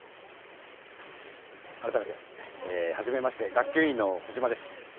改めてえはじめまして学級委員のコジマです。